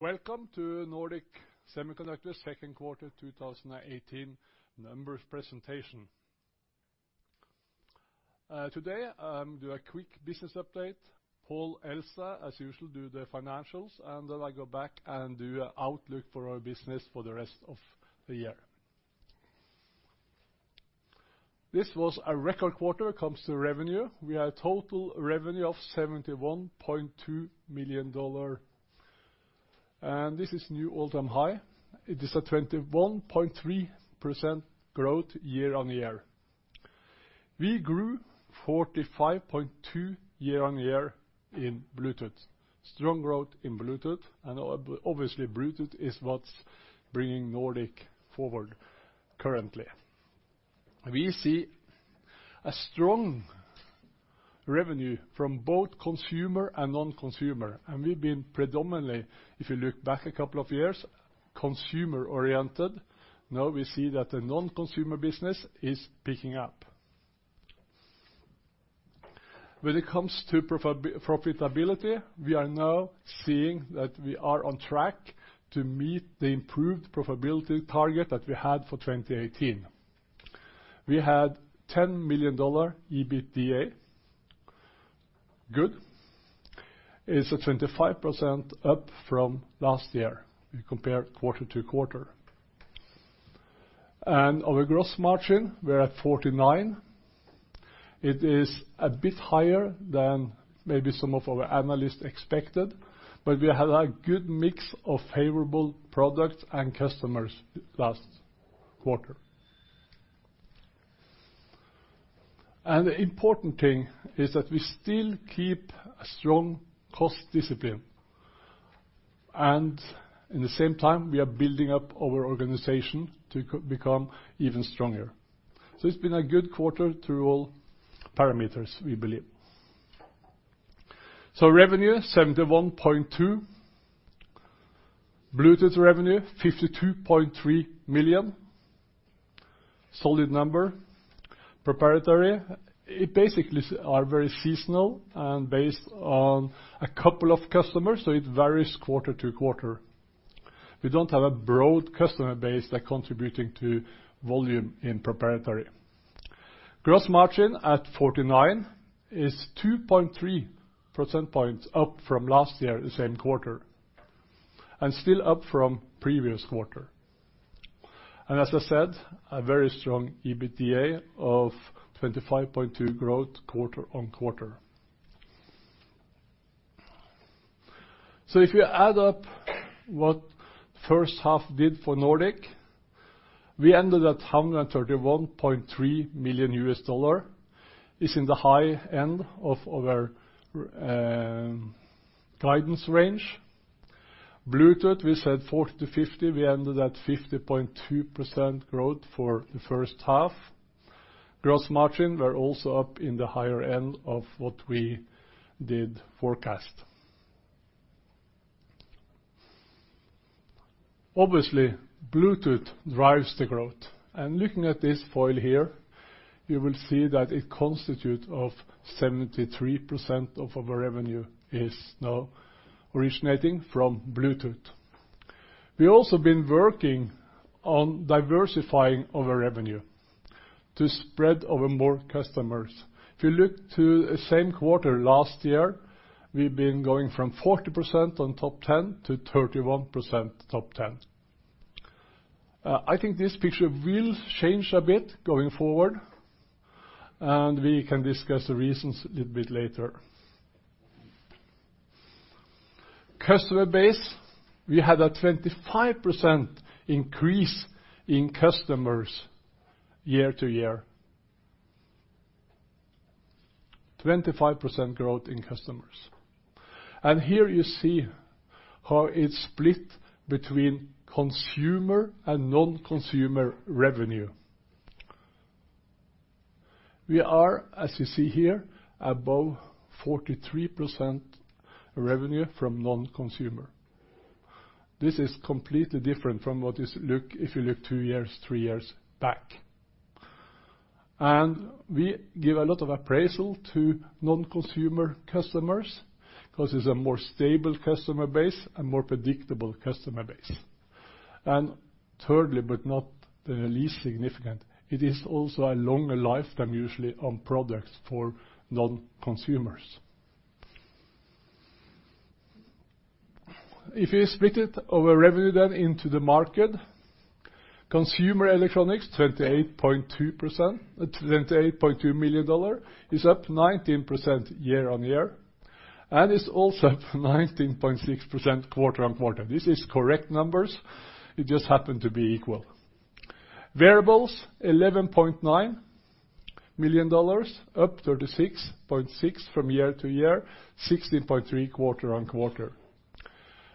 Welcome to Nordic Semiconductor second quarter 2018 numbers presentation. Today, I will do a quick business update. Pål Elstad, as usual, will do the financials, then I will go back and do an outlook for our business for the rest of the year. This was a record quarter when it comes to revenue. We had a total revenue of $71.2 million. This is new all-time high. It is a 21.3% growth year-on-year. We grew 45.2% year-on-year in Bluetooth. Strong growth in Bluetooth, and obviously, Bluetooth is what is bringing Nordic forward currently. We see a strong revenue from both consumer and non-consumer. We have been predominantly, if you look back a couple of years, consumer-oriented. Now we see that the non-consumer business is picking up. When it comes to profitability, we are now seeing that we are on track to meet the improved profitability target that we had for 2018. We had $10 million EBITDA. Good. It is 25% up from last year, we compare quarter-to-quarter. Our gross margin, we are at 49%. It is a bit higher than maybe some of our analysts expected, but we had a good mix of favorable products and customers last quarter. The important thing is that we still keep a strong cost discipline, and at the same time, we are building up our organization to become even stronger. It has been a good quarter through all parameters, we believe. Revenue, $71.2 million. Bluetooth revenue, $52.3 million. Solid number. Proprietary. It basically are very seasonal and based on a couple of customers, so it varies quarter-to-quarter. We do not have a broad customer base that is contributing to volume in Proprietary. Gross margin at 49% is 2.3 percentage points up from last year the same quarter, and still up from the previous quarter. As I said, a very strong EBITDA of 25.2% growth quarter-on-quarter. If you add up what the first half did for Nordic, we ended at $131.3 million. It is in the high end of our guidance range. Bluetooth, we said 40%-50%, we ended at 50.2% growth for the first half. Gross margin, we are also up in the higher end of what we did forecast. Obviously, Bluetooth drives the growth. Looking at this foil here, you will see that it constitutes 73% of our revenue is now originating from Bluetooth. We have also been working on diversifying our revenue to spread over more customers. If you look to the same quarter last year, we have been going from 40% on top 10 to 31% top 10. I think this picture will change a bit going forward, and we can discuss the reasoning a little bit later. Customer base, we had a 25% increase in customers year-on-year. 25% growth in customers. Here you see how it is split between consumer and non-consumer revenue. We are, as you see here, above 43% revenue from non-consumer. This is completely different from if you look two years, three years back. We give a lot of appraisal to non-consumer customers because it is a more stable customer base and more predictable customer base. Thirdly, but not the least significant, it is also a longer lifetime usually on products for non-consumers. If you split it, our revenue then into the market, consumer electronics, $28.2 million, is up 19% year-on-year, and it is also up 19.6% quarter-on-quarter. These are correct numbers. It just happened to be equal. Wearables, $11.9 million, up 36.6% year-on-year, 16.3% quarter-on-quarter.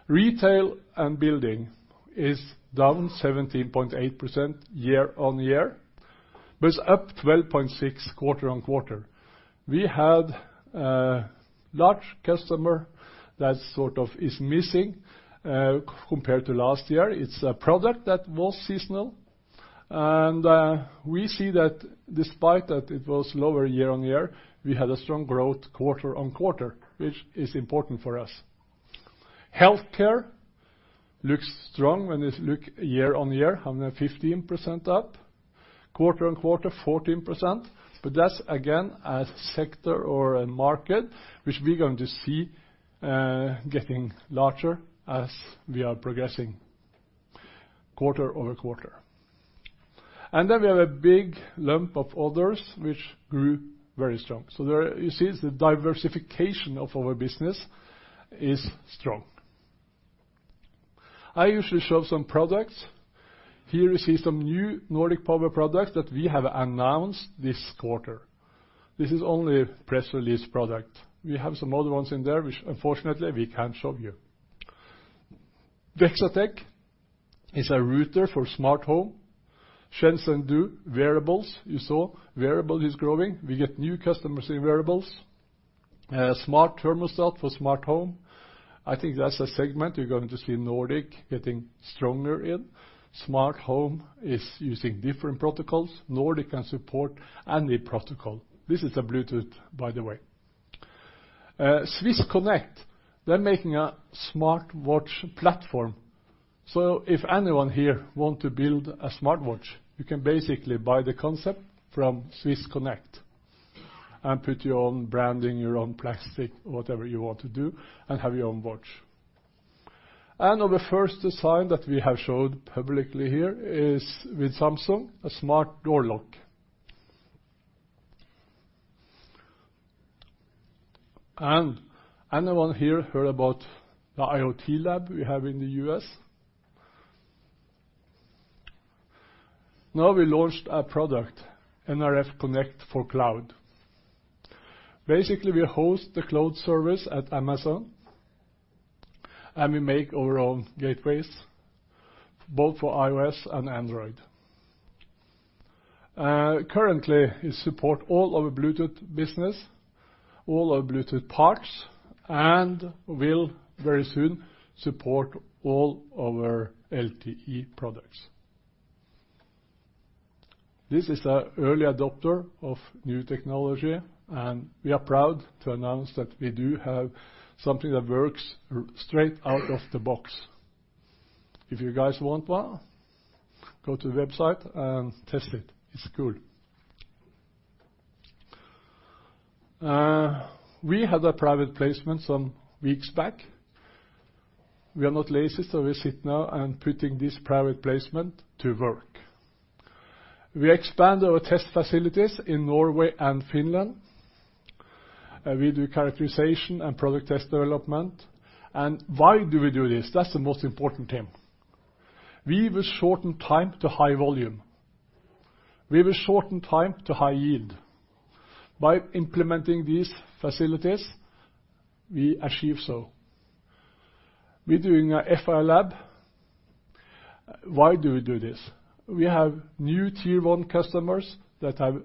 Retail and building is down 17.8% year-over-year, it's up 12.6% quarter-over-quarter. We had a large customer that sort of is missing, compared to last year. It's a product that was seasonal. We see that despite that it was lower year-over-year, we had a strong growth quarter-over-quarter, which is important for us. Healthcare looks strong when you look year-over-year, 115% up. Quarter-over-quarter, 14%. That's again a sector or a market which we're going to see getting larger as we are progressing quarter-over-quarter. We have a big lump of others, which grew very strong. You see the diversification of our business is strong. I usually show some products. Here you see some new Nordic Power products that we have announced this quarter. This is only press release product. We have some other ones in there, which unfortunately we can't show you. Dexatek is a router for smart home. Shenzhen DO Wearables you saw. Wearables is growing. We get new customers in wearables. A smart thermostat for smart home. I think that's a segment you're going to see Nordic getting stronger in. Smart home is using different protocols. Nordic can support any protocol. This is a Bluetooth, by the way. Swiss Connect, they're making a smartwatch platform. If anyone here want to build a smartwatch, you can basically buy the concept from Swiss Connect and put your own branding, your own plastic, whatever you want to do and have your own watch. On the first design that we have showed publicly here is with Samsung, a smart door lock. Anyone here heard about the IoT lab we have in the U.S.? Now we launched a product, nRF Connect for Cloud. Basically, we host the cloud service at Amazon, and we make our own gateways both for iOS and Android. Currently, it support all our Bluetooth business, all our Bluetooth parts, and will very soon support all our LTE products. This is the early adopter of new technology, and we are proud to announce that we do have something that works straight out of the box. If you guys want one, go to the website and test it. It's good. We had a private placement some weeks back. We are not lazy, we sit now and putting this private placement to work. We expand our test facilities in Norway and Finland. We do characterization and product test development. Why do we do this? That's the most important thing. We will shorten time to high volume. We will shorten time to high yield. By implementing these facilities, we achieve so. We're doing a FA lab. Why do we do this? We have new tier 1 customers that have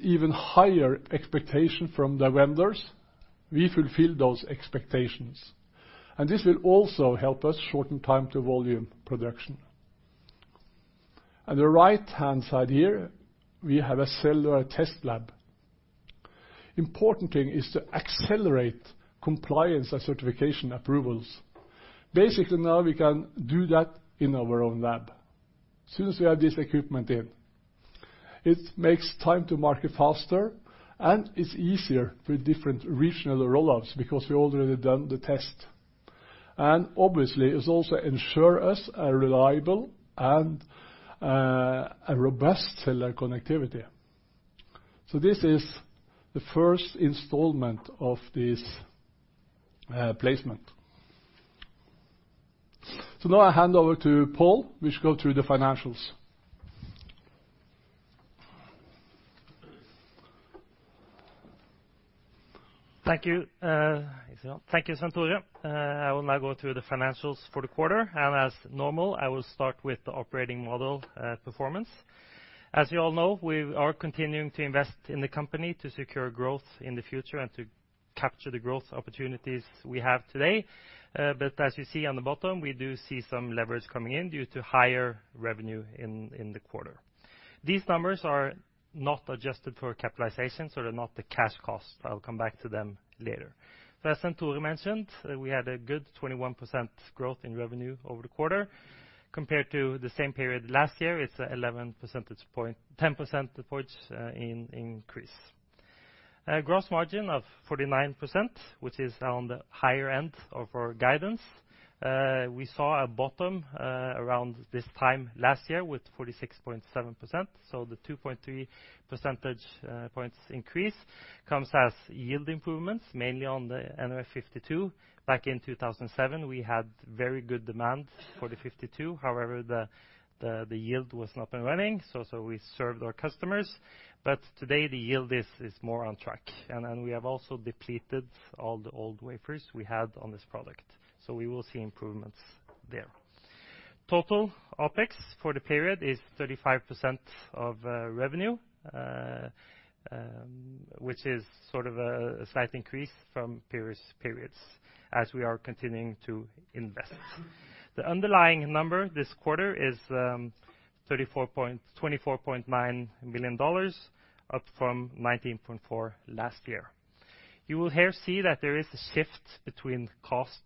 even higher expectation from the vendors. We fulfill those expectations. This will also help us shorten time to volume production. On the right-hand side here, we have a cellular test lab. Important thing is to accelerate compliance and certification approvals. Basically, now we can do that in our own lab. Since we have this equipment in, it makes time to market faster, and it's easier for different regional rollouts because we already done the test. Obviously, it also ensure us a reliable and a robust cellular connectivity. This is the first installment of this placement. Now I hand over to Pål, which go through the financials. Thank you. Thank you, Svenn-Tore. I will now go through the financials for the quarter. As normal, I will start with the operating model performance. As you all know, we are continuing to invest in the company to secure growth in the future and to capture the growth opportunities we have today. As you see on the bottom, we do see some leverage coming in due to higher revenue in the quarter. These numbers are not adjusted for capitalization, so they're not the cash costs. I'll come back to them later. As Svenn-Tore mentioned, we had a good 21% growth in revenue over the quarter. Compared to the same period last year, it's a 10 percentage points increase. A gross margin of 49%, which is on the higher end of our guidance. We saw a bottom around this time last year with 46.7%. The 2.3 percentage points increase comes as yield improvements, mainly on the nRF52. Back in 2017, we had very good demand for the nRF52. However, the yield was not been running, so we served our customers. Today the yield is more on track. We have also depleted all the old wafers we had on this product. We will see improvements there. Total OpEx for the period is 35% of revenue, which is a slight increase from previous periods as we are continuing to invest. The underlying number this quarter is $24.9 million, up from $19.4 last year. You will here see that there is a shift between costs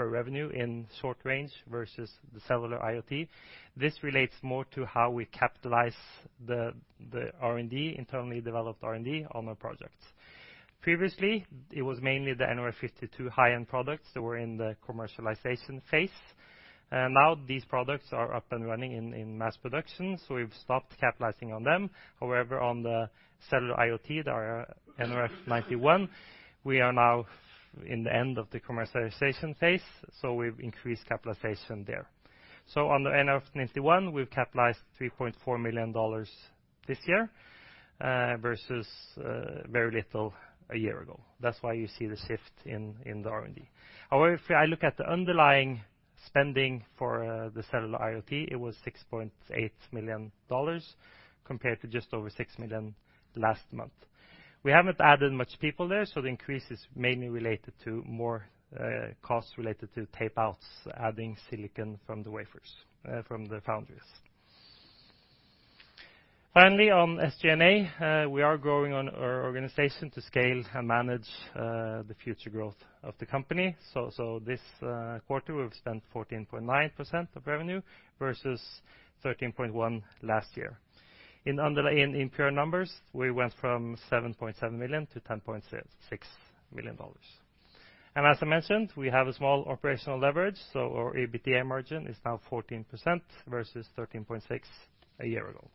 per revenue in short range versus the cellular IoT. This relates more to how we capitalize the internally developed R&D on our projects. Previously, it was mainly the nRF52 high-end products that were in the commercialization phase. These products are up and running in mass production, so we've stopped capitalizing on them. However, on the cellular IoT, our nRF91, we are now in the end of the commercialization phase, so we've increased capitalization there. On the nRF91, we've capitalized $3.4 million this year, versus very little a year ago. That's why you see the shift in the R&D. However, if I look at the underlying spending for the cellular IoT, it was $6.8 million compared to just over $6 million last month. We haven't added much people there, so the increase is mainly related to more costs related to tape outs, adding silicon from the foundries. Finally, on SG&A, we are growing our organization to scale and manage the future growth of the company. This quarter, we've spent 14.9% of revenue versus 13.1% last year. In pure numbers, we went from $7.7 million to $10.6 million. As I mentioned, we have a small operational leverage, so our EBITDA margin is now 14% versus 13.6% a year ago.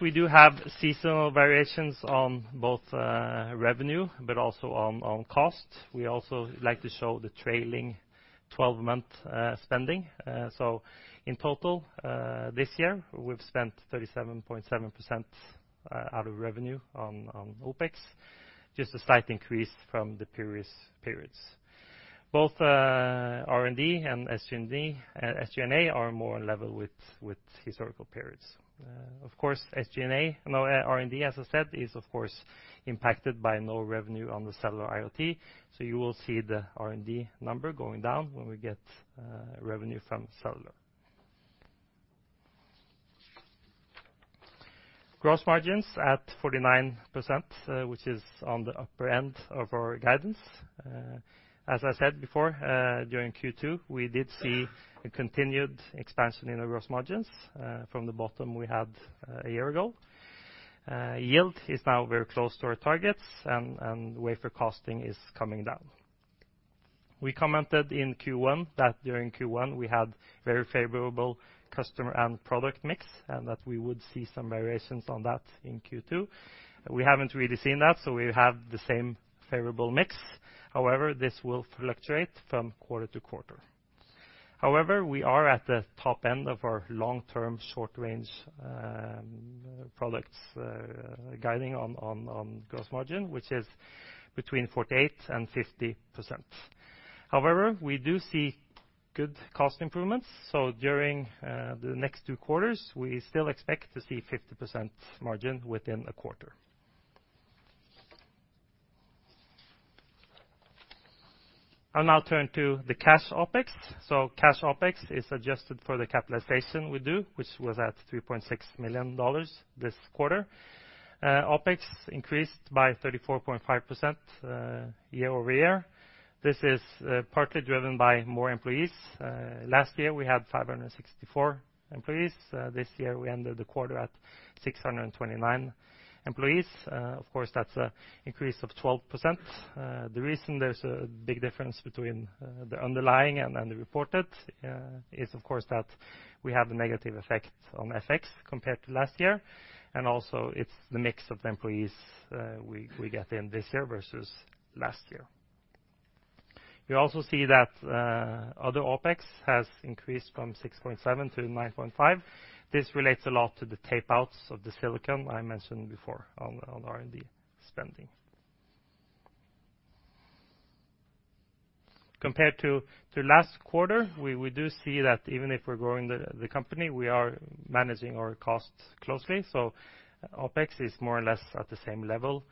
We do have seasonal variations on both revenue but also on cost, we also like to show the trailing 12-month spending. In total, this year, we've spent 37.7% out of revenue on OpEx, just a slight increase from the previous periods. Both R&D and SG&A are more in level with historical periods. Of course, R&D, as I said, is impacted by no revenue on the cellular IoT. You will see the R&D number going down when we get revenue from cellular. Gross margins at 49%, which is on the upper end of our guidance. As I said before, during Q2, we did see a continued expansion in the gross margins from the bottom we had a year ago. Yield is now very close to our targets, and wafer costing is coming down. We commented in Q1 that during Q1, we had very favorable customer and product mix, and that we would see some variations on that in Q2. We haven't really seen that, so we have the same favorable mix. This will fluctuate from quarter to quarter. We are at the top end of our long-term short-range products guiding on gross margin, which is between 48%-50%. We do see good cost improvements, so during the next two quarters, we still expect to see 50% margin within a quarter. I'll now turn to the cash OpEx. Cash OpEx is adjusted for the capitalization we do, which was at $3.6 million this quarter. OpEx increased by 34.5% year-over-year. This is partly driven by more employees. Last year, we had 564 employees. This year, we ended the quarter at 629 employees. Of course, that's an increase of 12%. The reason there's a big difference between the underlying and the reported is, of course, that we have a negative effect on FX compared to last year, and also it's the mix of employees we get in this year versus last year. You also see that other OpEx has increased from $6.7 million to $9.5 million. This relates a lot to the tape outs of the silicon I mentioned before on R&D spending. Compared to last quarter, we do see that even if we're growing the company, we are managing our costs closely. OpEx is more or less at the same level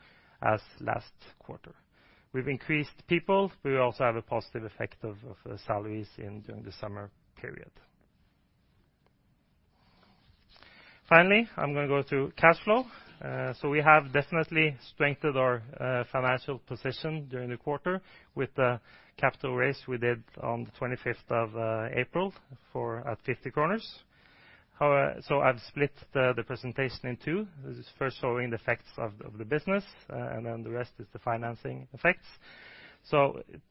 as last quarter. We've increased people. We also have a positive effect of salaries during the summer period. Finally, I'm going to go through cash flow. We have definitely strengthened our financial position during the quarter with the capital raise we did on the 25th of April at 50 kroner. I've split the presentation in two. This is first showing the effects of the business, and then the rest is the financing effects.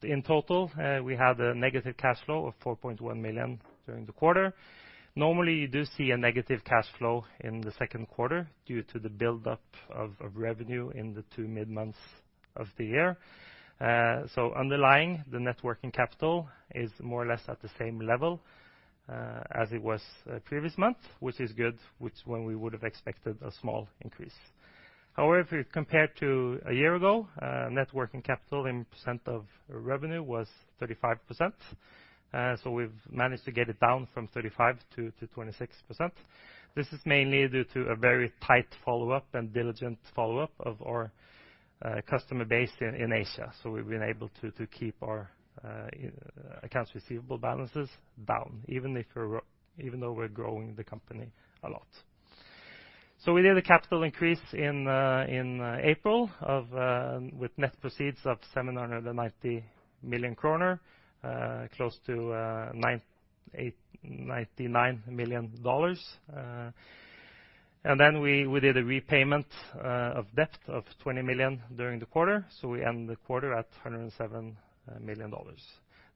In total, we had a negative cash flow of $4.1 million during the quarter. Normally, you do see a negative cash flow in the second quarter due to the buildup of revenue in the two mid-months of the year. Underlying the net working capital is more or less at the same level as it was previous month, which is good, which when we would've expected a small increase. Compared to a year ago, net working capital in percent of revenue was 35%. We've managed to get it down from 35%-26%. This is mainly due to a very tight follow-up and diligent follow-up of our customer base in Asia. We've been able to keep our accounts receivable balances down even though we're growing the company a lot. We did a capital increase in April with net proceeds of 790 million kroner, close to $99 million. We did a repayment of debt of $20 million during the quarter, so we end the quarter at $107 million.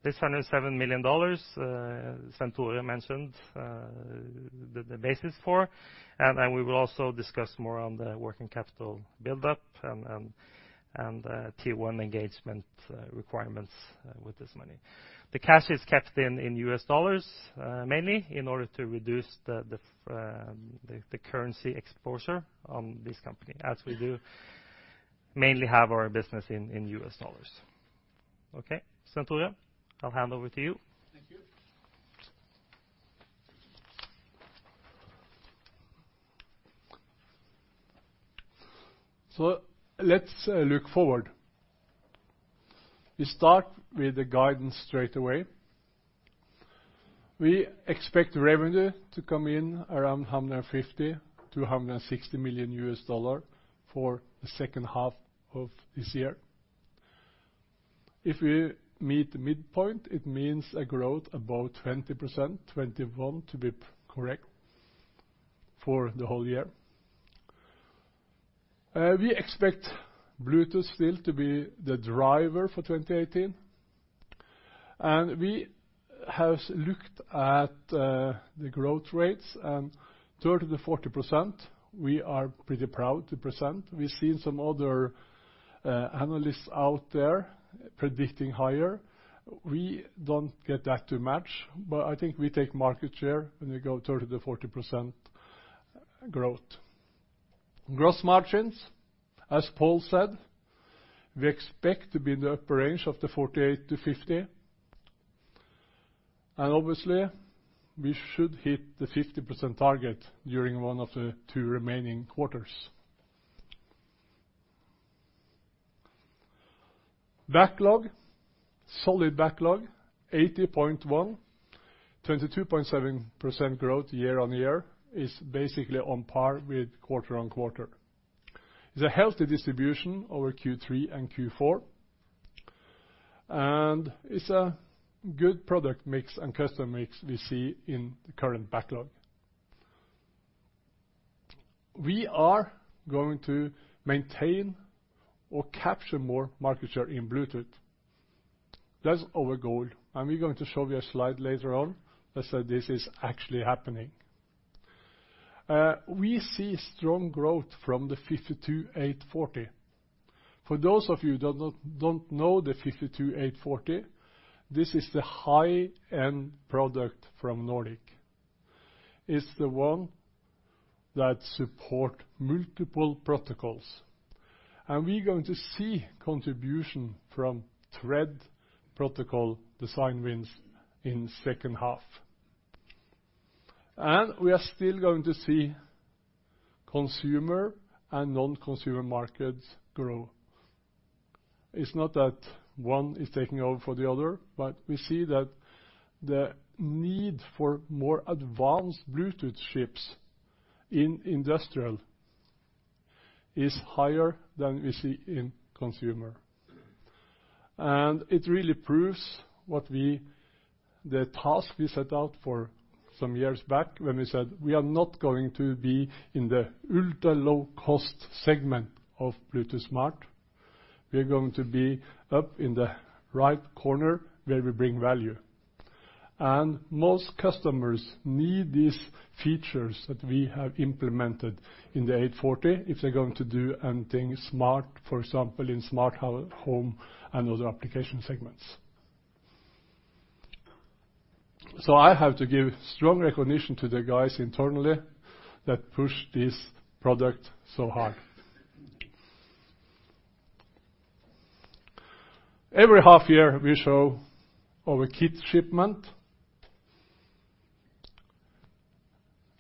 This $107 million, Svenn-Tore Larsen mentioned the basis for. Then we will also discuss more on the working capital buildup and Tier 1 engagement requirements with this money. The cash is kept in US dollars, mainly in order to reduce the currency exposure on this company, as we do mainly have our business in US dollars. Okay. Svenn-Tore Larsen, I'll hand over to you. Thank you. Let's look forward. We start with the guidance straight away. We expect revenue to come in around $150 million-$160 million for the second half of this year. If we meet the midpoint, it means a growth about 20%, 21% to be correct for the whole year. We expect Bluetooth still to be the driver for 2018. We have looked at the growth rates and 30%-40% we are pretty proud to present. We've seen some other analysts out there predicting higher. We don't get that to match, but I think we take market share when we go 30%-40% growth. Gross margins, as Pål Elstad said, we expect to be in the upper range of the 48%-50%. Obviously we should hit the 50% target during one of the two remaining quarters. Backlog, solid backlog, 80.1. 22.7% growth year-on-year is basically on par with quarter-on-quarter. It's a healthy distribution over Q3 and Q4. It's a good product mix and customer mix we see in the current backlog. We are going to maintain or capture more market share in Bluetooth. That's our goal. We're going to show you a slide later on that say this is actually happening. We see strong growth from the nRF52840. For those of you that don't know the nRF52840, this is the high-end product from Nordic. It's the one that support multiple protocols. We are going to see contribution from Thread protocol design wins in second half. We are still going to see consumer and non-consumer markets grow. It's not that one is taking over for the other, but we see that the need for more advanced Bluetooth chips in industrial is higher than we see in consumer. It really proves the task we set out for some years back when we said we are not going to be in the ultra-low-cost segment of Bluetooth Smart. We're going to be up in the right corner where we bring value. Most customers need these features that we have implemented in the nRF52840 if they're going to do anything smart, for example, in smart home and other application segments. I have to give strong recognition to the guys internally that push this product so hard. Every half year we show our kit shipment.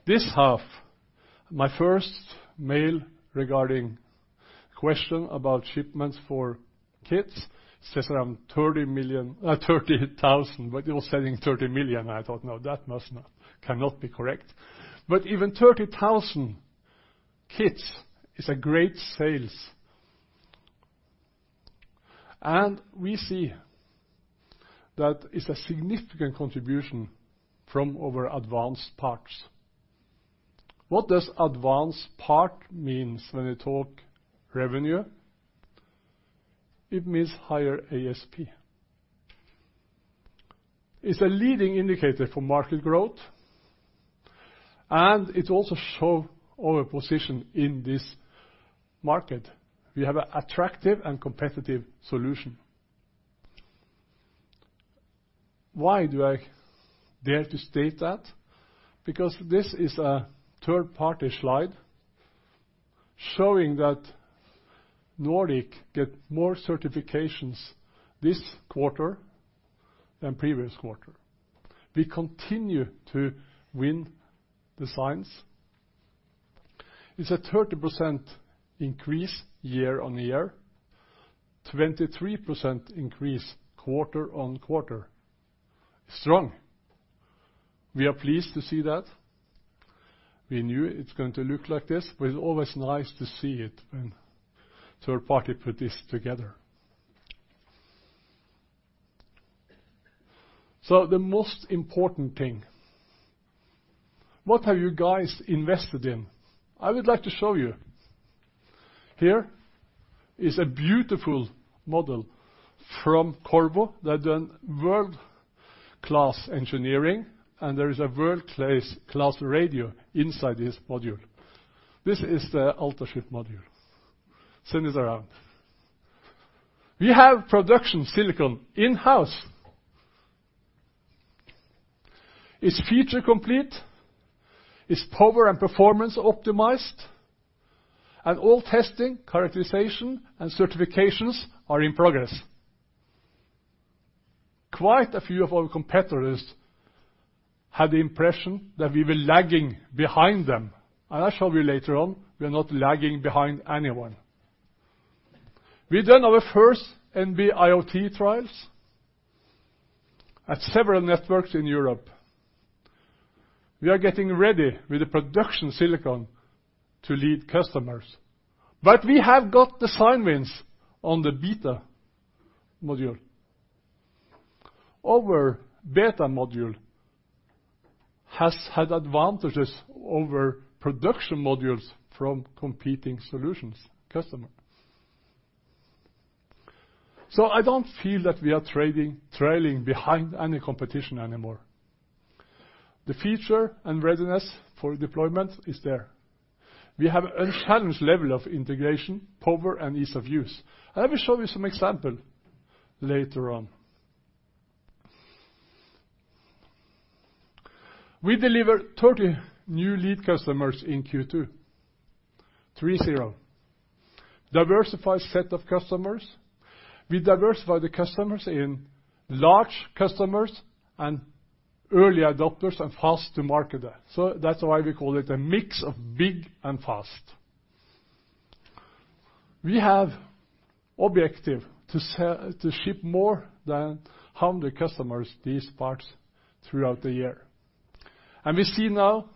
This half, my first mail regarding question about shipments for kits says around 30,000, but it was saying 30 million. I thought, "No, that cannot be correct." Even 30,000 kits is a great sales. We see that it's a significant contribution from our advanced parts. What does advanced part means when we talk revenue? It means higher ASP. It's a leading indicator for market growth, and it also shows our position in this market. We have an attractive and competitive solution. Why do I dare to state that? Because this is a third-party slide showing that Nordic get more certifications this quarter than previous quarter. We continue to win designs. It's a 30% increase year-on-year, 23% increase quarter-on-quarter. Strong. We are pleased to see that. We knew it's going to look like this, but it's always nice to see it when third-party put this together. The most important thing, what have you guys invested in? I would like to show you. Here is a beautiful model from Qorvo. They've done world-class engineering, and there is a world-class radio inside this module. This is the Ultraship module. Send this around. We have production silicon in-house. It's feature complete, it's power and performance optimized, and all testing, characterization, and certifications are in progress. Quite a few of our competitors had the impression that we were lagging behind them, and I'll show you later on, we're not lagging behind anyone. We've done our first NB-IoT trials at several networks in Europe. We are getting ready with the production silicon to lead customers. We have got design wins on the beta module. Our beta module has had advantages over production modules from competing solutions customer. I don't feel that we are trailing behind any competition anymore. The feature and readiness for deployment is there. We have a challenge level of integration, power, and ease of use. I will show you some example later on. We delivered 30 new lead customers in Q2. Diversified set of customers. We diversify the customers in large customers and early adopters and fast-to-marketer. That's why we call it a mix of big and fast. We have objective to ship more than 100 customers these parts throughout the year. We see now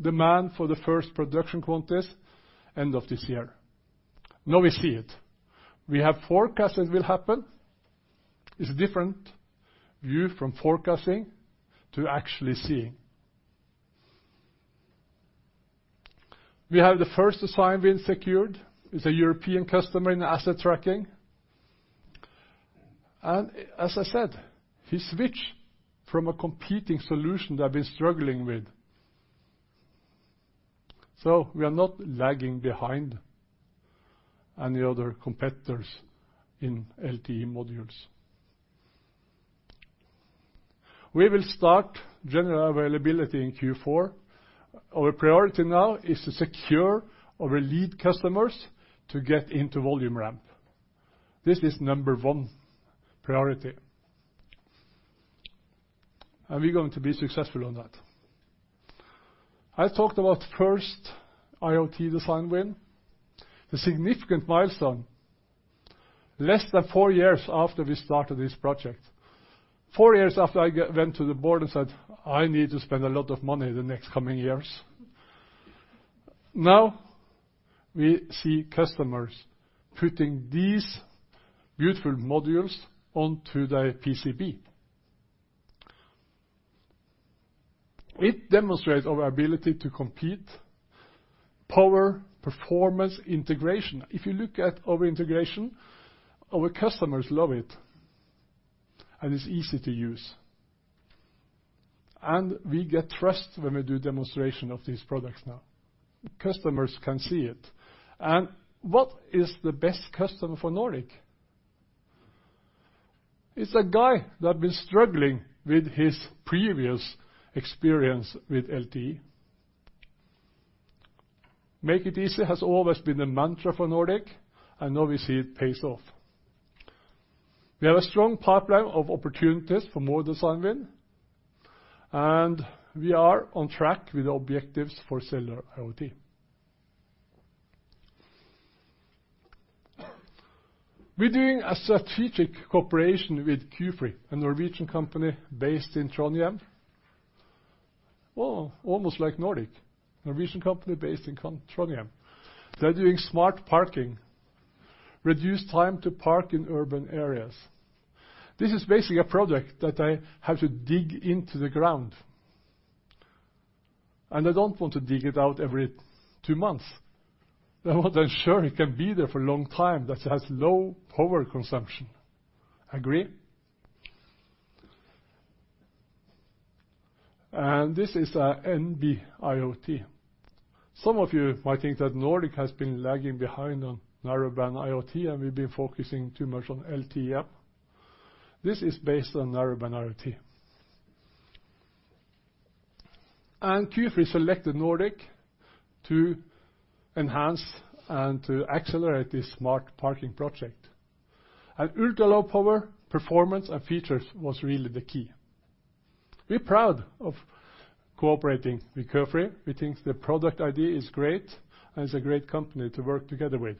demand for the first production quantities end of this year. Now we see it. We have forecast it will happen. It's a different view from forecasting to actually seeing. We have the first design win secured. It's a European customer in asset tracking. As I said, we switch from a competing solution they've been struggling with. We are not lagging behind any other competitors in LTE modules. We will start general availability in Q4. Our priority now is to secure our lead customers to get into volume ramp. This is number one priority. We're going to be successful on that. I talked about first IoT design win, a significant milestone. Less than four years after we started this project, four years after I went to the board and said, "I need to spend a lot of money the next coming years," now we see customers putting these beautiful modules onto their PCB. It demonstrates our ability to compete, power, performance, integration. If you look at our integration, our customers love it, and it's easy to use. We get trust when we do demonstration of these products now. Customers can see it. What is the best customer for Nordic? It's a guy that has been struggling with his previous experience with LTE. Make it easy has always been the mantra for Nordic. Now we see it pays off. We have a strong pipeline of opportunities for more design win. We are on track with objectives for cellular IoT. We're doing a strategic cooperation with Q-Free, a Norwegian company based in Trondheim. Well, almost like Nordic, a Norwegian company based in Trondheim. They're doing smart parking, reduced time to park in urban areas. This is basically a project that I have to dig into the ground. I don't want to dig it out every two months. I want to ensure it can be there for a long time, that it has low power consumption. Agree? This is a NB-IoT. Some of you might think that Nordic has been lagging behind on Narrowband IoT. We've been focusing too much on LTE-M. This is based on Narrowband IoT. Q-Free selected Nordic to enhance and to accelerate this smart parking project. Ultra-low power performance and features was really the key. We're proud of cooperating with Q-Free. We think the product idea is great. It's a great company to work together with.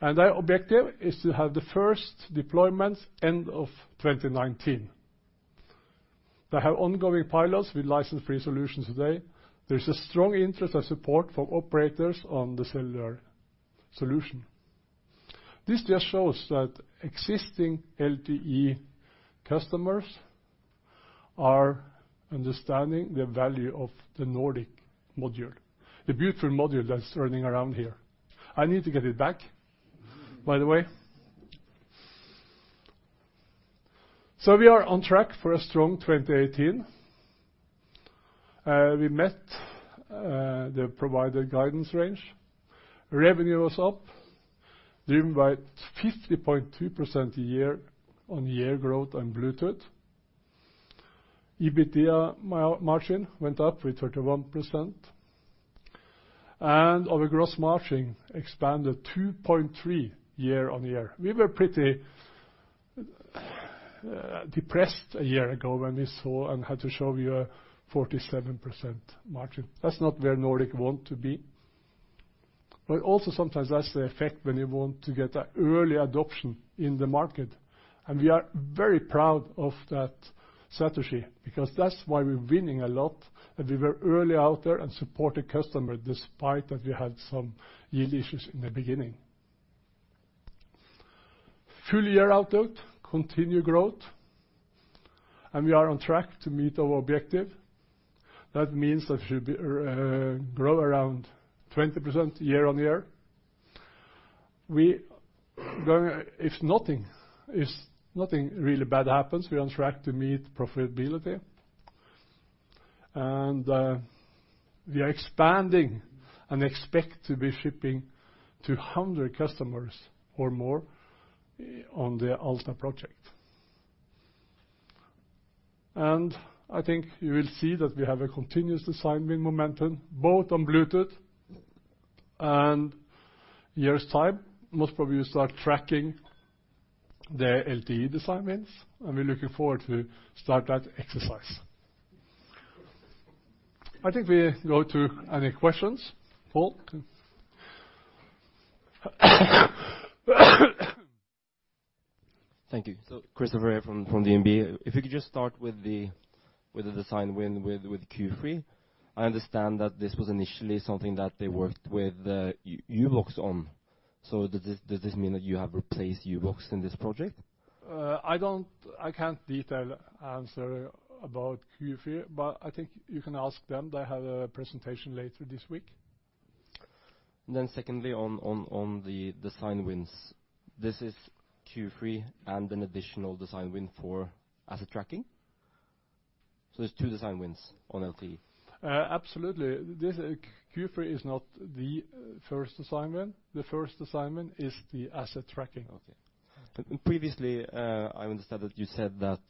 Their objective is to have the first deployment end of 2019. They have ongoing pilots with license-free solutions today. There's a strong interest and support from operators on the cellular solution. This just shows that existing LTE customers are understanding the value of the Nordic module, the beautiful module that's running around here. I need to get it back, by the way. We are on track for a strong 2018. We met the provided guidance range. Revenue was up driven by 50.2% year-on-year growth on Bluetooth. EBITDA margin went up with 31%. Our gross margin expanded 2.3 year-on-year. We were pretty depressed a year ago when we saw and had to show you a 47% margin. That's not where Nordic want to be. Also sometimes that's the effect when you want to get a early adoption in the market. We are very proud of that strategy, because that's why we're winning a lot. We were early out there and supported customer, despite that we had some yield issues in the beginning. Full year outlook, continued growth. We are on track to meet our objective. That means that we should grow around 20% year-on-year. If nothing really bad happens, we're on track to meet profitability. We are expanding and expect to be shipping to 100 customers or more on the Ultra project. I think you will see that we have a continuous design win momentum, both on Bluetooth. In a year's time, most probably we start tracking the LTE design wins. We're looking forward to start that exercise. I think we go to any questions. Pål. Thank you. Christopher here from DNB. If you could just start with the design win with Q-Free. I understand that this was initially something that they worked with u-blox on. Does this mean that you have replaced u-blox in this project? I can't detail answer about Q-Free, but I think you can ask them. They have a presentation later this week. Secondly, on the design wins. This is Q-Free and an additional design win for asset tracking? There's two design wins on LTE. Absolutely. Q-Free is not the first design win. The first design win is the asset tracking. Okay. Previously, I understand that you said that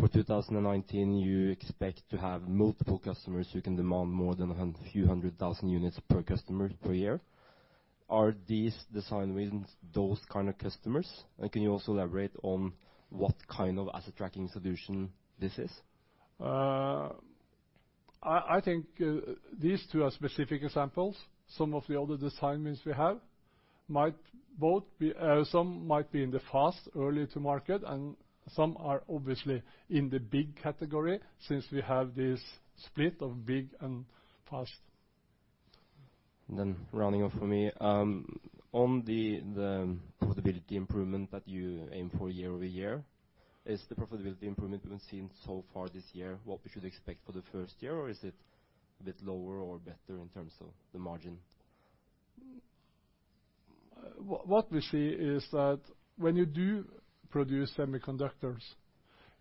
for 2019, you expect to have multiple customers who can demand more than a few hundred thousand units per customer per year. Are these design wins those kind of customers? Can you also elaborate on what kind of asset tracking solution this is? I think these two are specific examples. Some of the other design wins we have, some might be in the fast, early to market, and some are obviously in the big category since we have this split of big and fast. Rounding off for me. On the profitability improvement that you aim for year-over-year, is the profitability improvement we've been seeing so far this year what we should expect for the first year, or is it a bit lower or better in terms of the margin? What we see is that when you do produce semiconductors,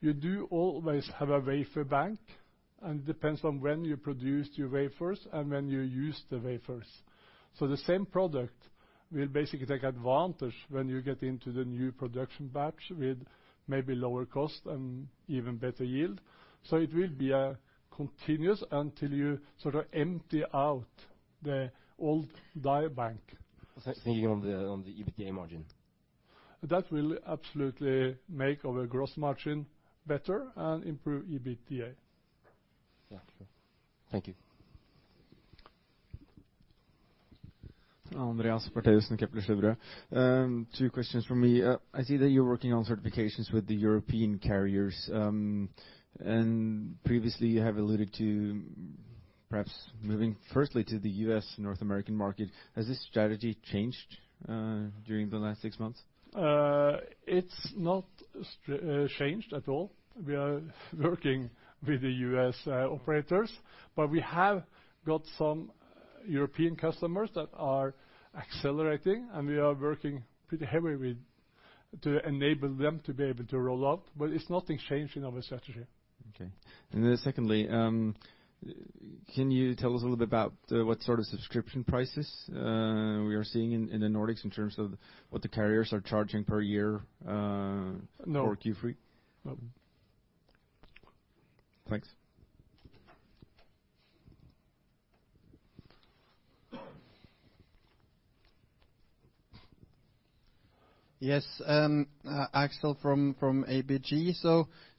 you do always have a wafer bank, and it depends on when you produced your wafers and when you used the wafers. The same product will basically take advantage when you get into the new production batch with maybe lower cost and even better yield. It will be a continuous until you sort of empty out the old die bank. Thinking on the EBITDA margin. That will absolutely make our gross margin better and improve EBITDA. Yeah, sure. Thank you. Andreas Bertheussen, Kepler Cheuvreux. Two questions from me. I see that you're working on certifications with the European carriers. Previously you have alluded to perhaps moving firstly to the U.S., North American market. Has this strategy changed during the last 6 months? It's not changed at all. We are working with the U.S. operators, but we have got some European customers that are accelerating, and we are working pretty heavily to enable them to be able to roll out, but it's nothing changing our strategy. Okay. Secondly, can you tell us a little bit about what sort of subscription prices, we are seeing in the Nordics in terms of what the carriers are charging per year- No. -for Q-Free? No. Thanks. Yes. Aksel from ABG.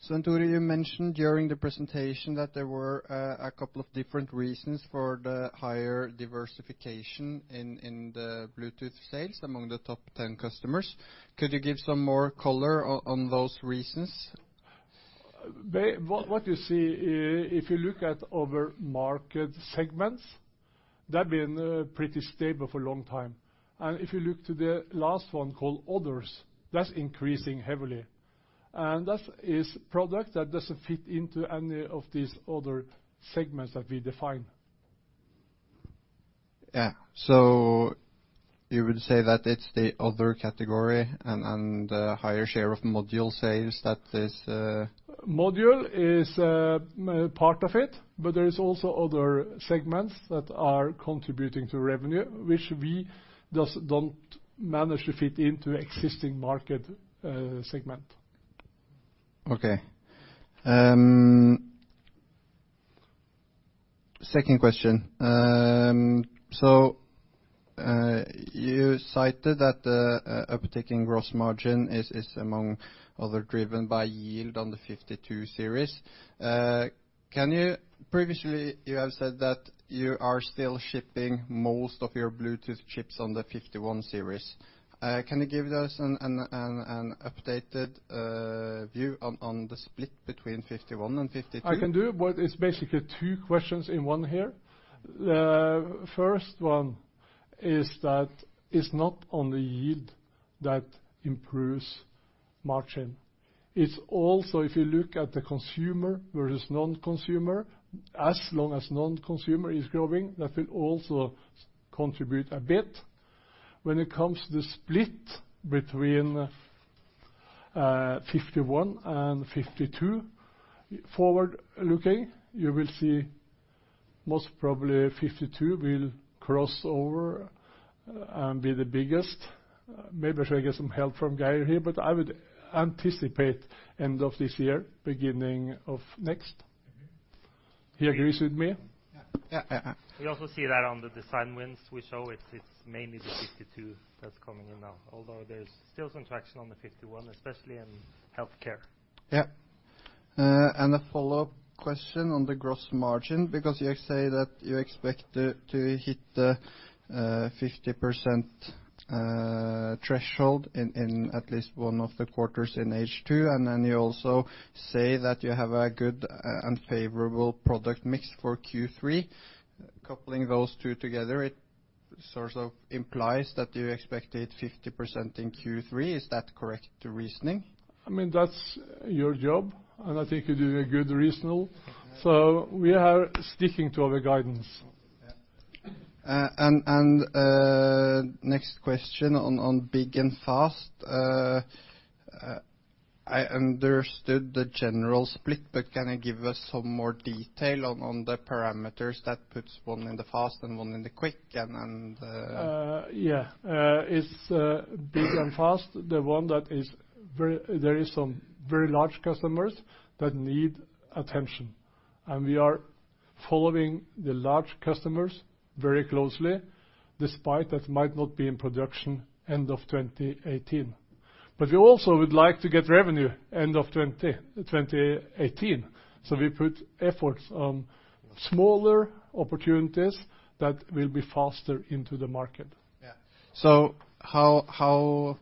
Svenn-Tore, you mentioned during the presentation that there were a couple of different reasons for the higher diversification in the Bluetooth sales among the top 10 customers. Could you give some more color on those reasons? What you see if you look at our market segments, they've been pretty stable for a long time. If you look to the last one called others, that's increasing heavily. That is product that doesn't fit into any of these other segments that we define. Yeah. You would say that it's the other category and higher share of module sales that is Module is part of it, there is also other segments that are contributing to revenue, which we don't manage to fit into existing market segment. Okay. Second question. You cited that the uptick in gross margin is among other driven by yield on the nRF52 Series. Previously you have said that you are still shipping most of your Bluetooth chips on the nRF51 Series. Can you give us an updated view on the split between nRF51 and nRF52? I can do, it's basically two questions in one here. The first one is that it's not only yield that improves margin. It's also, if you look at the consumer versus non-consumer, as long as non-consumer is growing, that will also contribute a bit. When it comes to the split between nRF51 and nRF52, forward looking, you will see most probably nRF52 will cross over and be the biggest. Maybe I should get some help from Geir here, I would anticipate end of this year, beginning of next. He agrees with me? Yeah. Yeah. We also see that on the design wins. We show it's mainly the nRF52 that's coming in now, although there's still some traction on the nRF51, especially in healthcare. Yeah. A follow-up question on the gross margin, because you say that you expect to hit the 50% threshold in at least one of the quarters in H2, you also say that you have a good and favorable product mix for Q-Free. Coupling those two together, it sort of implies that you expected 50% in Q-Free. Is that correct reasoning? That's your job, I think you're doing a good reasoning. We are sticking to our guidance. Yeah. Next question on big and fast. I understood the general split, but can you give us some more detail on the parameters that puts one in the fast and one in the quick? Yeah. It's big and fast, the one that there is some very large customers that need attention, we are following the large customers very closely, despite that might not be in production end of 2018. We also would like to get revenue end of 2018. We put efforts on smaller opportunities that will be faster into the market. Yeah. How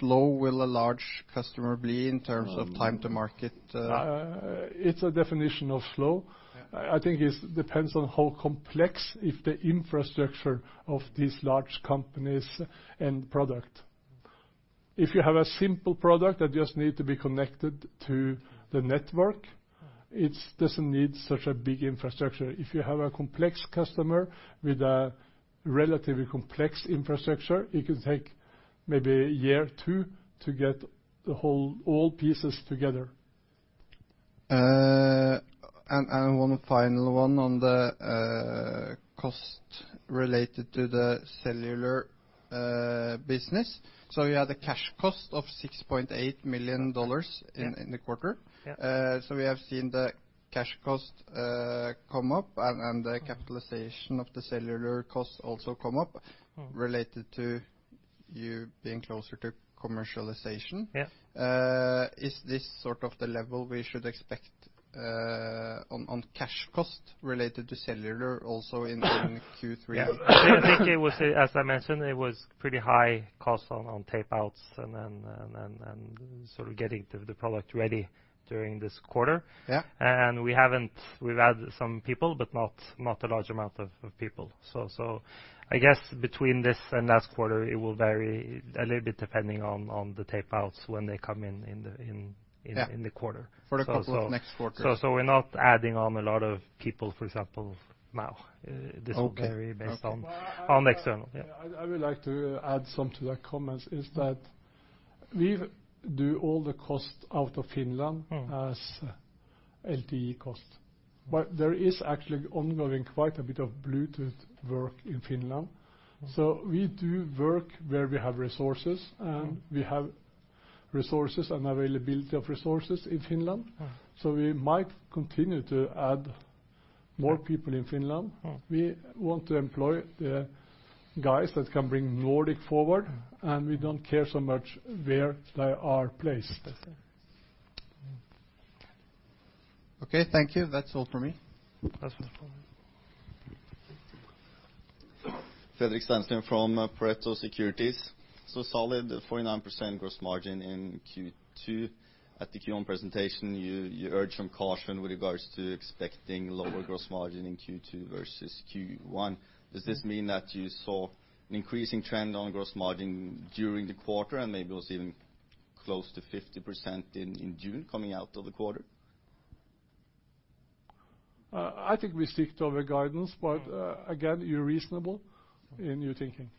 slow will a large customer be in terms of time to market? It's a definition of slow. Yeah. I think it depends on how complex if the infrastructure of these large companies' end product. If you have a simple product that just needs to be connected to the network. It doesn't need such a big infrastructure. If you have a complex customer with a relatively complex infrastructure, it could take maybe a year or two to get all pieces together. One final one on the cost related to the cellular business. You had a cash cost of $6.8 million in the quarter. Yeah. We have seen the cash cost come up and the capitalization of the cellular cost also come up related to you being closer to commercialization. Yeah. Is this sort of the level we should expect on cash cost related to cellular also in Q-Free? Yeah. I think it was, as I mentioned, it was pretty high cost on tape-outs and sort of getting the product ready during this quarter. Yeah. We've added some people, but not a large amount of people. I guess between this and last quarter, it will vary a little bit depending on the tape-outs when they come in the quarter. Yeah. For the couple of next quarters. We're not adding on a lot of people, for example, now. Okay. This will vary based on external. Yeah. I would like to add something to the comments. We do all the cost out of Finland as LTE cost. There is actually ongoing quite a bit of Bluetooth work in Finland. We do work where we have resources, and we have resources and availability of resources in Finland. We might continue to add more people in Finland. We want to employ the guys that can bring Nordic forward, and we don't care so much where they are placed. I see. Okay, thank you. That's all for me. That's it for me. Fredrik Stensrud from Pareto Securities. Solid 49% gross margin in Q2. At the Q1 presentation, you urged some caution with regards to expecting lower gross margin in Q2 versus Q1. Does this mean that you saw an increasing trend on gross margin during the quarter and maybe it was even close to 50% in June coming out of the quarter? I think we stuck to the guidance, again, you're reasonable in your thinking.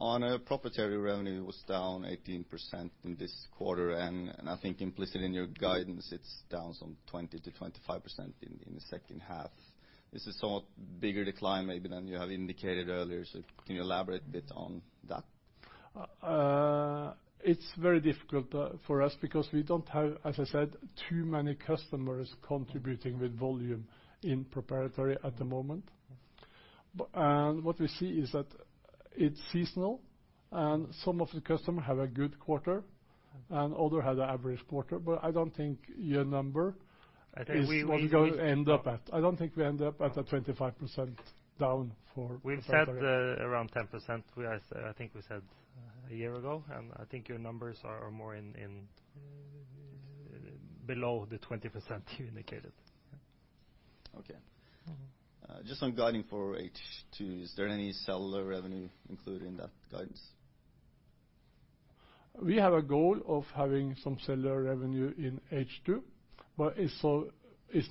Okay. On our proprietary revenue was down 18% in this quarter, and I think implicit in your guidance, it's down some 20%-25% in the second half. Is this a bigger decline maybe than you have indicated earlier? Can you elaborate a bit on that? It's very difficult for us because we don't have, as I said, too many customers contributing with volume in proprietary at the moment. Yes. What we see is that it's seasonal, and some of the customers have a good quarter, and other had an average quarter, I don't think your number is what we're going to end up at. I don't think we end up at a 25% down. We've said around 10%, I think we said a year ago, and I think your numbers are more below the 20% you indicated. Okay. Just on guiding for H2. Is there any cellular revenue included in that guidance? We have a goal of having some cellular revenue in H2, but it's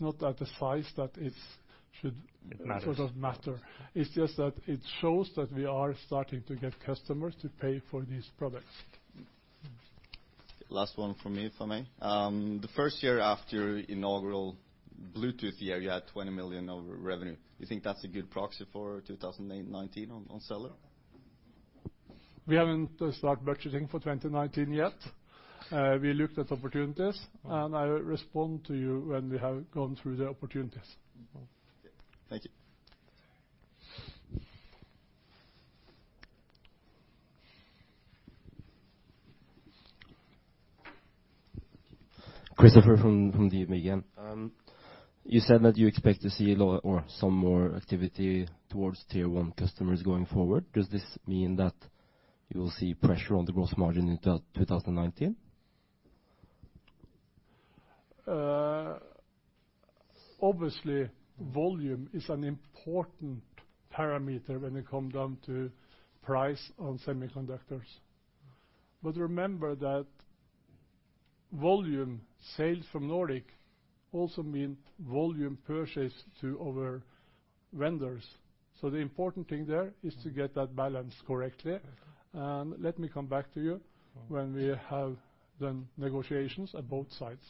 not at the size that it should- It matters. sort of matter. It's just that it shows that we are starting to get customers to pay for these products. Last one from me for me. The first year after inaugural Bluetooth year, you had 20 million of revenue. You think that's a good proxy for 2019 on cellular? We haven't start budgeting for 2019 yet. We looked at opportunities, I will respond to you when we have gone through the opportunities. Okay. Thank you. Christopher from DNB again. You said that you expect to see low or some more activity towards tier 1 customers going forward. Does this mean that you will see pressure on the gross margin in 2019? Obviously, volume is an important parameter when it come down to price on semiconductors. Remember that volume sales from Nordic Semiconductor also mean volume purchase to our vendors. The important thing there is to get that balance correctly. Let me come back to you when we have done negotiations at both sides.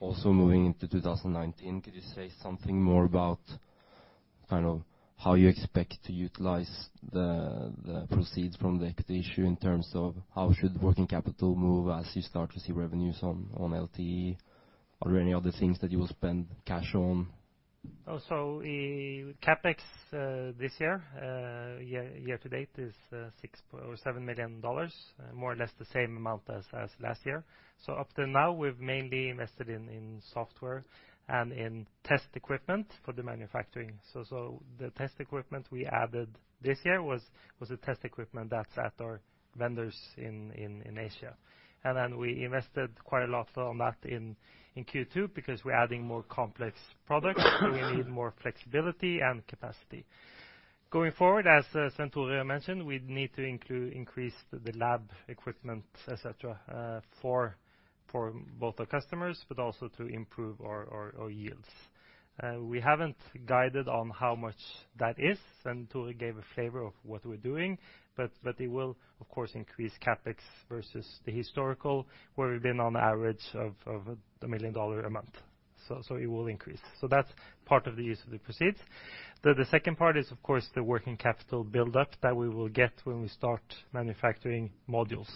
Also moving into 2019, could you say something more about kind of how you expect to utilize the proceeds from the equity issue in terms of how should working capital move as you start to see revenues on LTE? Are there any other things that you will spend cash on? CapEx, this year to date is $6 million or $7 million, more or less the same amount as last year. Up to now, we've mainly invested in software and in test equipment for the manufacturing. The test equipment we added this year was a test equipment that's at our vendors in Asia. We invested quite a lot on that in Q2 because we're adding more complex products, so we need more flexibility and capacity. Going forward, as Svenn-Tore mentioned, we'd need to increase the lab equipment, et cetera, for both our customers, but also to improve our yields. We haven't guided on how much that is, Svenn-Tore gave a flavor of what we're doing, but it will of course increase CapEx versus the historical, where we've been on average of $1 million a month. It will increase. That's part of the use of the proceeds. The second part is, of course, the working capital buildup that we will get when we start manufacturing modules.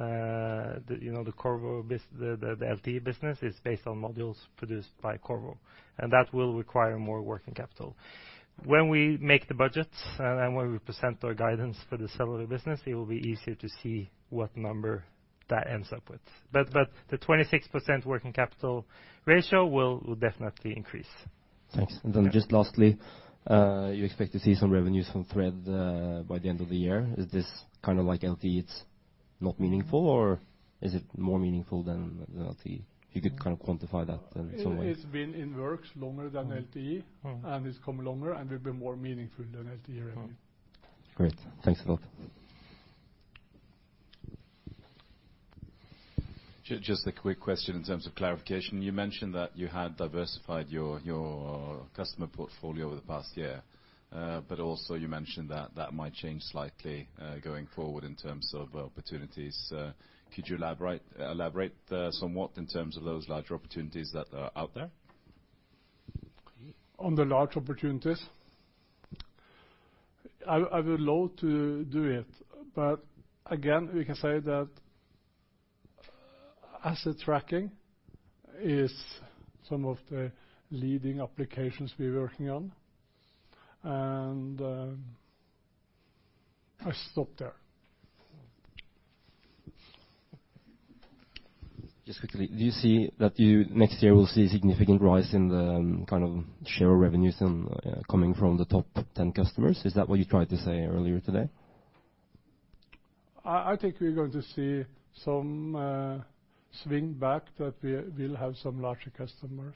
The LTE business is based on modules produced by Qorvo, and that will require more working capital. When we make the budgets and when we present our guidance for the cellular business, it will be easier to see what number that ends up with. The 26% working capital ratio will definitely increase. Thanks. Just lastly, you expect to see some revenues from Thread by the end of the year. Is this kind of like LTE, it's not meaningful, or is it more meaningful than the LTE? If you could kind of quantify that in some way. It has been in the works longer than LTE, and it's come longer, and will be more meaningful than LTE revenue. Great. Thanks a lot. Just a quick question in terms of clarification. You mentioned that you had diversified your customer portfolio over the past year. Also you mentioned that might change slightly going forward in terms of opportunities. Could you elaborate somewhat in terms of those larger opportunities that are out there? On the large opportunities, I would love to do it, again, we can say that asset tracking is some of the leading applications we're working on. I stop there. Just quickly, do you see that next year we'll see significant rise in the kind of share of revenues coming from the top 10 customers? Is that what you tried to say earlier today? I think we're going to see some swing back that we'll have some larger customers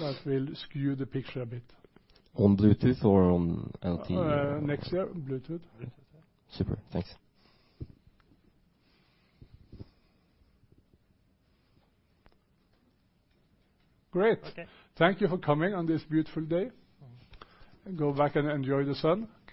that will skew the picture a bit. On Bluetooth or on LTE? Next year, Bluetooth. Bluetooth, yeah. Super. Thanks. Great. Okay. Thank you for coming on this beautiful day. Go back and enjoy the sun.